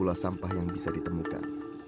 pula sampah yang bisa ditemukan